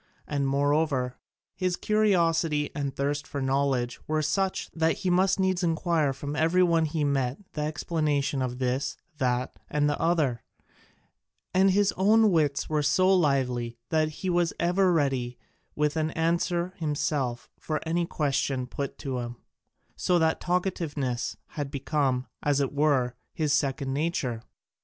And moreover, his curiosity and thirst for knowledge were such that he must needs inquire from every one he met the explanation of this, that, and the other; and his own wits were so lively that he was ever ready with an answer himself for any question put to him, so that talkativeness had become, as it were, his second nature.